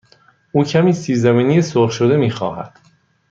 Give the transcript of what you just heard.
او کمی سیب زمینی سرخ شده می خواهد.